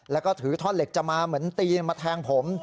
แล้วก็ถือท่อนเหล็กจะมาเหมือนตีมาแทงผม